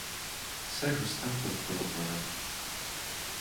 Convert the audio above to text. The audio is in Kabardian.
Сэ жысӏэр къывгурыӏуэрэ?